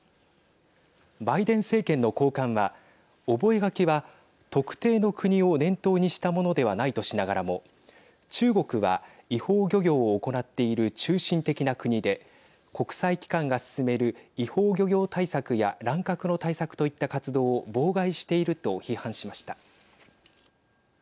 バイデン政権の高官は覚書は、特定の国を念頭にしたものではないとしながらも中国は違法漁業を行っている中心的な国で国際機関が進める違法漁業対策や乱獲の対策といった活動を妨害していると批判しました。